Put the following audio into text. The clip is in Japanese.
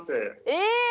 え！